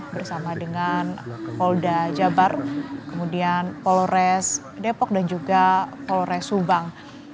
bersama dengan polda jabar kemudian polres depok dan juga polres subang